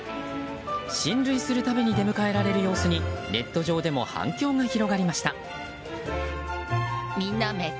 進塁するたびに出迎えられる様子にネット上でも反響が広がりました。